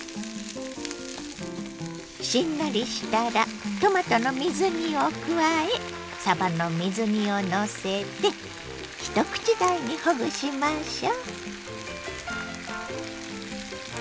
しんなりしたらトマトの水煮を加えさばの水煮をのせて一口大にほぐしましょ。